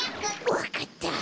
わかった！